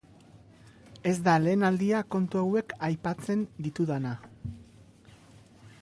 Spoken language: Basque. Ez da lehen aldia kontu hauek aipatzen ditudana.